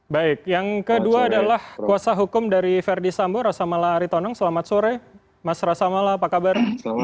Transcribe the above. baik yang kedua adalah kuasa hukum dari verdi sambor rasamala aritoneng selamat sore mas rasamala apa kabar